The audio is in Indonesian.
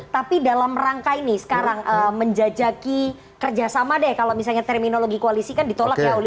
tapi dalam rangka ini sekarang menjajaki kerjasama deh kalau misalnya terminologi koalisi kan ditolak ya oleh bu mega ya